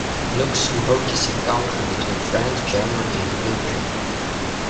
Luxembourg is a country between France, Germany and Belgium.